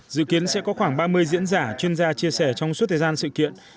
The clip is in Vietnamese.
dự kiến sẽ có khoảng ba mươi diễn giả chuyên gia chia sẻ trong suốt thời gian sự kiện